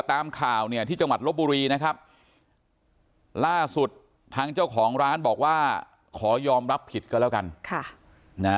ตามข่าวเนี่ยที่จังหวัดลบบุรีนะครับล่าสุดทางเจ้าของร้านบอกว่าขอยอมรับผิดก็แล้วกัน